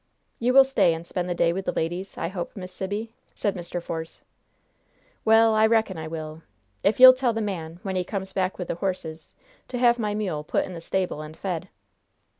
"You will stay and spend the day with the ladies, I hope, Miss Sibby?" said Mr. Force. "Well, I reckon I will if you'll tell the man, when he comes back with the horses, to have my mule put in the stable and fed."